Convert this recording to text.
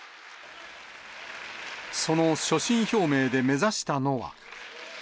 その所信表明で目指したのは。